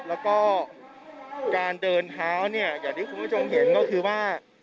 แล้วก็การเดินเท้าเนี่ยอย่างที่คุณผู้ชมเห็นก็คือว่า